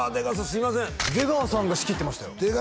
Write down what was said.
すいません出川さんが仕切ってましたよ